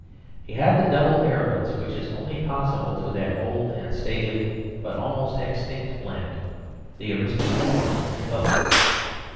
He had the double arrogance which is only possible to that old and stately but almost extinct blend the aristocratic republican.